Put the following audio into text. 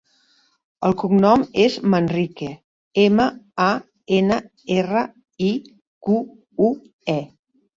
El cognom és Manrique: ema, a, ena, erra, i, cu, u, e.